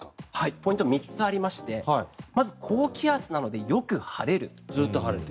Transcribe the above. ポイントは３つありましてまず高気圧なので、よく晴れる。